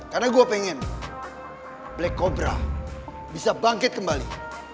karena gue pengen black cobra bisa bangkit kembali